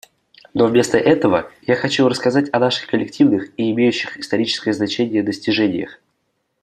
Но вместо этого я хочу рассказать о наших коллективных и имеющих историческое значение достижениях.